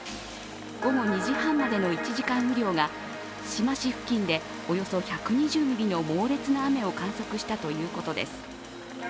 午後２時半までの１時間雨量が志摩市付近でおよそ１２０ミリの猛烈な雨を観測したということです。